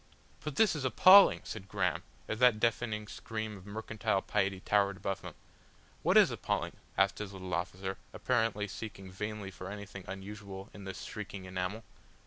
"But this is appalling!" said Graham, as that deafening scream of mercantile piety towered above them. "What is appalling?" asked his little officer, apparently seeking vainly for anything unusual in this shrieking enamel.